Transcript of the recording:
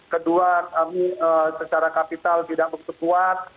kedua kami secara kapital tidak berkekuat